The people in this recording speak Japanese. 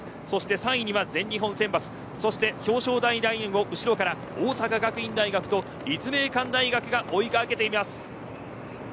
３位には全日本選抜そして表彰台ラインを後ろから大阪学院大学と立命館大学が追い掛けています。